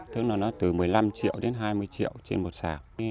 tức là nó từ một mươi năm triệu đến hai mươi triệu trên một xào